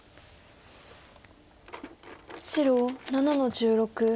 白７の十六。